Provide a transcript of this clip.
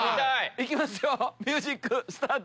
行きますよミュージックスタート！